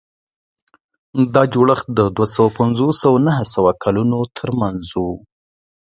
دا جوړښت د دوه سوه پنځوس او نهه سوه کلونو ترمنځ و.